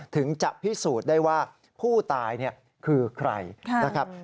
ถึงจะพิสูจน์ได้ว่าผู้ตายคือใครนะครับ